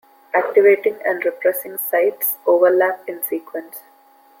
Activating and repressing sites overlap in sequence.